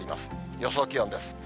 予想気温です。